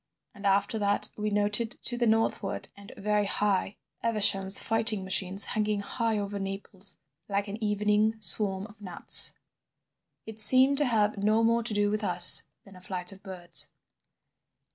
And after that we noted to the northward and very high Evesham's fighting machines hanging high over Naples like an evening swarm of gnats. "It seemed to have no more to do with us than a flight of birds.